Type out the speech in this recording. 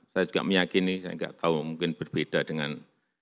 saya juga meyakini saya nggak tahu mungkin berbeda dengan